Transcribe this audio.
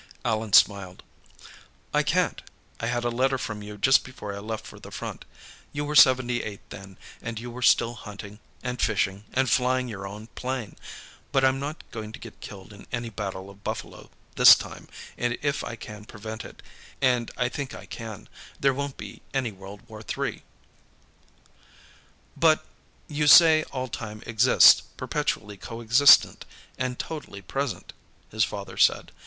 Allan smiled. "I can't. I had a letter from you just before I left for the front. You were seventy eight, then, and you were still hunting, and fishing, and flying your own plane. But I'm not going to get killed in any Battle of Buffalo, this time, and if I can prevent it, and I think I can, there won't be any World War III." "But You say all time exists, perpetually coexistent and totally present," his father said.